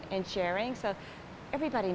dan bagian bagian bagian